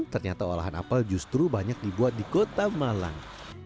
ternyata olahan apel justru banyak dibuat di kota malang